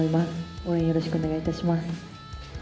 応援よろしくお願いいたします。